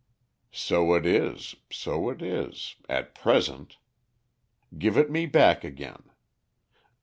"So it is, so it is at present. Give it me back again.